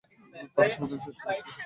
তারা সমাধানের চেষ্টা করছে।